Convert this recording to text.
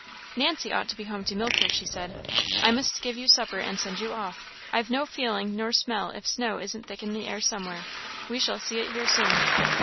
"Nancy ought to be home to milk her," she said; "I must give you supper and send you off. I've no feeling nor smell if snow isn't thick in the air somewhere; we shall see it here soon."